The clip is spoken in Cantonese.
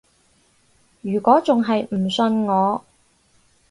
如果仲係唔信我